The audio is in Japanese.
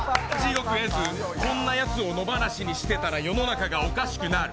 こんなやつを野放しにしてたら世の中がおかしくなる。